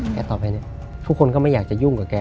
แกต่อไปทุกคนก็ไม่อยากจะยุ่งกับแก